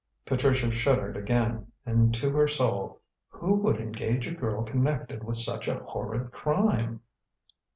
Patricia shuddered again and to her soul. "Who would engage a girl connected with such a horrid crime?"